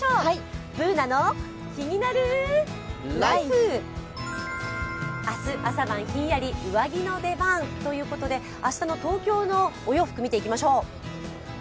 「ＢｏｏｎａのキニナルＬＩＦＥ」、明日朝晩ヒンヤリ、上着の出番ということで明日の東京のお洋服を見ていきましょう。